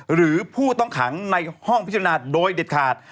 หรือผู้ต้องขังในห้องพิจารณาโดยเด็ดขาด